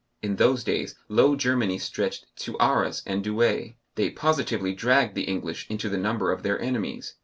(In those days Low Germany stretched to Arras and Douay.) They positively dragged the English into the number of their enemies.